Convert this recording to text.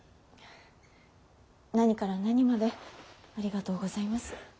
何から何までありがとうございます。